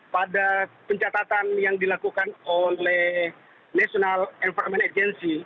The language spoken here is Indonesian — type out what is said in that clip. pada pencatatan yang dilakukan oleh national environment agency